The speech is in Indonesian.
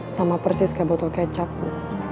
sama persis kayak botol kecap